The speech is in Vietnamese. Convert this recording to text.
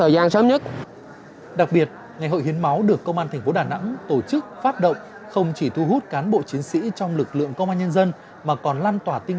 đặc biệt ngày hội hiến máu được công an tp đà nẵng tổ chức phát động không chỉ thu hút cán bộ chiến sĩ trong lực lượng công an nhân dân